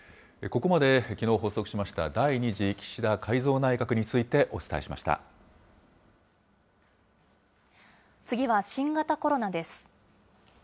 ここまで、きのう発足しました第２次岸田改造内閣についてお次は新型コロナです。